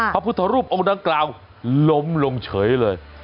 พระพุทธรูปองค์ดังกล่าวล้มลงเฉยเลย